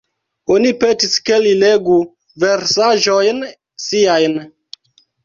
Oni petis, ke li legu versaĵojn siajn.